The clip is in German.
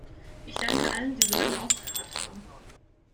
Ich danke allen, die so lange ausgeharrt haben!